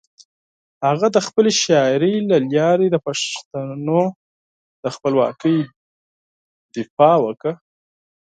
هغه د خپلې شاعري له لارې د پښتنو د خپلواکۍ دفاع وکړه.